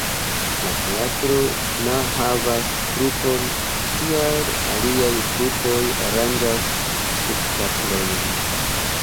La teatro na havas trupon, tial aliaj trupoj aranĝas spektaklojn.